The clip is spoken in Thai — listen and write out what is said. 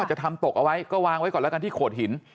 จะทำตกเอาไว้ก็วางไว้ก่อนแล้วกันที่โขดหิน